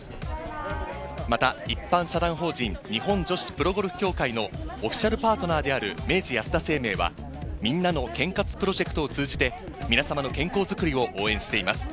また、一般社団法人日本女子プロゴルフ協会のオフィシャルパートナーである明治安田生命は、みんなの健活プロジェクトを通じて皆様の健康づくりを応援しています。